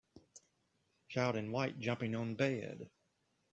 Child in white jumping on bed